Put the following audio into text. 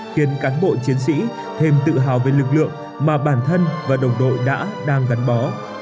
khiến cán bộ chiến sĩ thêm tự hào về lực lượng mà bản thân và đồng đội đã đang gắn bó